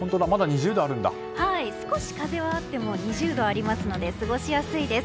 はい、少し風はあっても２０度ありますので過ごしやすいです。